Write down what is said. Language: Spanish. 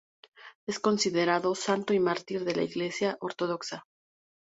Es considerado santo y mártir de la iglesia ortodoxa.